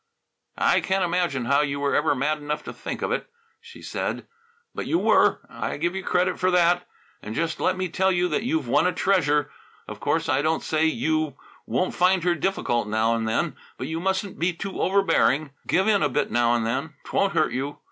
"I can't imagine how you were ever mad enough to think of it," she said, "but you were. I give you credit for that. And just let me tell you that you've won a treasure. Of course, I don't say you won't find her difficult now and then, but you mustn't be too overbearing; give in a bit now and then; 't won't hurt you.